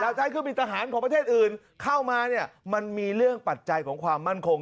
ใช้เครื่องบินทหารของประเทศอื่นเข้ามาเนี่ยมันมีเรื่องปัจจัยของความมั่นคง